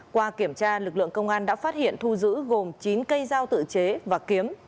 qua kiểm tra lực lượng công an đã phát hiện thu giữ gồm chín cây dao tự chế và kiếm